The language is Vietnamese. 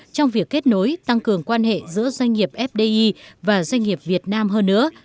trong việc kết nối tăng cường quan hệ giữa doanh nghiệp fdi và doanh nghiệp việt nam hơn nữa